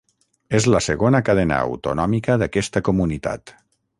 És la segona cadena autonòmica d'aquesta comunitat.